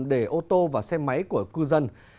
để ô tô và xe máy của cư dân